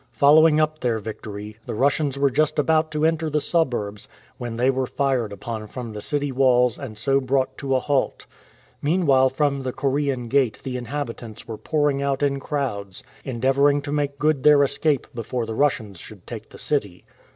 Following up their victory, the Russians were just about to enter the suburbs, when they were fired upon from the city walls and so brought to a lialt. Meanwhile from the Korean Gate the inhabitants were pouring out in crowds, endeavouring to make good their escape before the Russians should take the city.